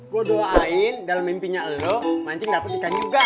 gue doain dalam mimpinya lo mancing dapat ikan juga